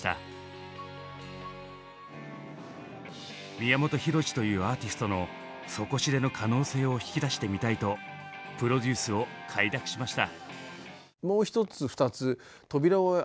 宮本浩次というアーティストの底知れぬ可能性を引き出してみたいとプロデュースを快諾しました。